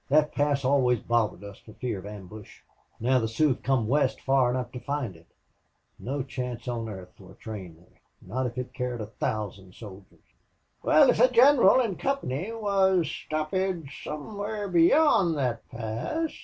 That pass always bothered us for fear of ambush. Now the Sioux have come west far enough to find it.... No chance on earth for a train there not if it carried a thousand soldiers." "Wal, if the gineral an' company was sthopped somewhere beyond thot pass?"